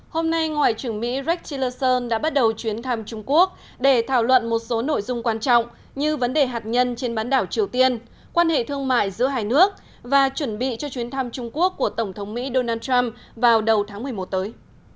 hôm nay ngoại trưởng mỹ rackillson đã bắt đầu chuyến thăm trung quốc để thảo luận một số nội dung quan trọng như vấn đề hạt nhân trên bán đảo triều tiên quan hệ thương mại giữa hai nước và chuẩn bị cho chuyến thăm trung quốc của tổng thống mỹ donald trump vào đầu tháng một mươi một tới